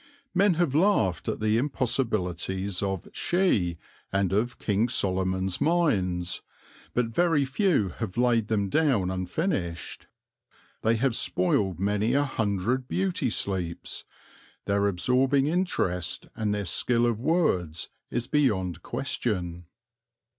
Men have laughed at the impossibilities of She and of King Solomon's Mines, but very few have laid them down unfinished; they have spoiled many a hundred beauty sleeps; their absorbing interest and their skill of words is beyond question.